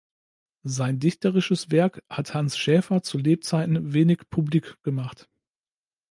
Sein dichterisches Werk hat Hanns Schaefer zu Lebzeiten wenig publik gemacht.